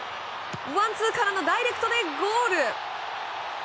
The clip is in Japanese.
ワン、ツーからのダイレクトでゴール！